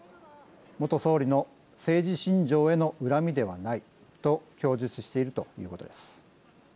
元総理の政治信条へのうらみではないと供述しているということです。